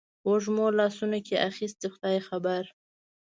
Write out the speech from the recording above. وږمو لاسونو کې اخیستي خدای خبر